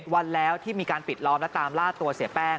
วันแล้วที่มีการปิดล้อมและตามล่าตัวเสียแป้ง